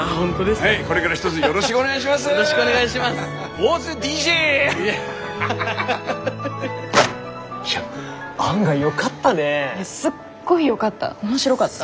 すっごいよかった。